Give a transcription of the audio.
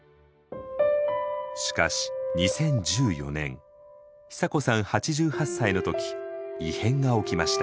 しかし２０１４年久子さん８８歳の時異変が起きました。